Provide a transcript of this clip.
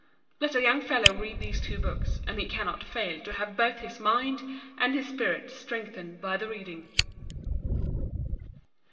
Let a young fellow read these two books, and he cannot fail to have both his mind and his spirit strengthened by the reading.